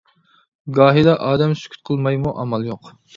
گاھىدا ئادەم سۈكۈت قىلمايمۇ ئامال يوق.